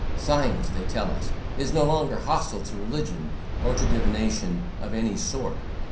Science, they tell us, is no longer hostile to religion, or to divination of any sort.